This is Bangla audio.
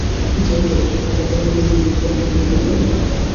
জ্যাকব, এটা তোমাকে গিলে ফেললে কী হবে?